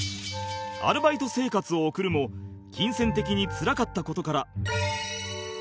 アルバイト生活を送るも金銭的につらかった事から